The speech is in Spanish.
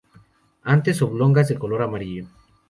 Anteras oblongas, de color amarillo.